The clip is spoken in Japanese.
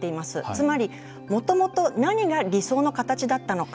つまり、もともと何が理想の形だったのか。